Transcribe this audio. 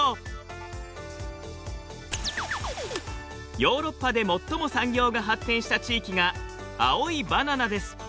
ヨーロッパで最も産業が発展した地域が青いバナナです。